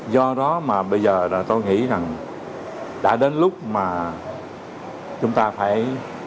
do đó mà bây giờ là tôi nghĩ rằng đã đến lúc mà chúng ta phải